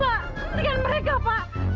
pak hentikan mereka pak